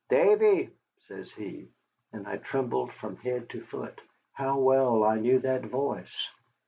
"Davy!" says he, and I trembled from head to foot. How well I knew that voice!